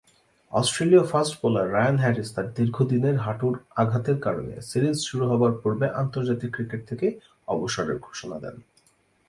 অস্ট্রেলীয় fast bowler Ryan Harris তার দীর্ঘদিনের হাঁটুর আঘাতের কারণে সিরিজ শুরু হবার পূর্বে আন্তর্জাতিক ক্রিকেট থেকে অবসরের ঘোষণা দেন।